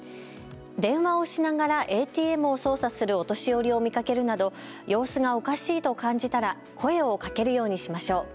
電話をしながらＡＴＭを操作するお年寄りを見かけるなど様子がおかしいと感じたら声をかけるようにしましょう。